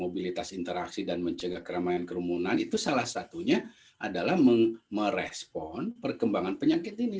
mobilitas interaksi dan mencegah keramaian kerumunan itu salah satunya adalah merespon perkembangan penyakit ini